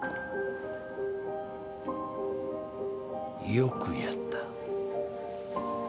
よくやった。